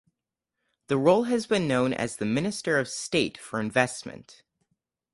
The role has been known as the Minister of State for Investment.